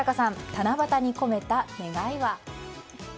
七夕に込めた願いは？